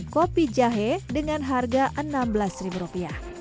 dan kopi jahe dengan harga rp enam belas